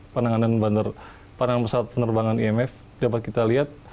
penanganan pesawat penerbangan imf dapat kita lihat